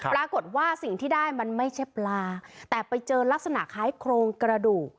ปรากฏว่าสิ่งที่ได้มันไม่ใช่ปลาแต่ไปเจอลักษณะคล้ายโครงกระดูก